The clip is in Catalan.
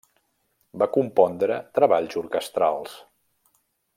Va compondre treballs orquestrals.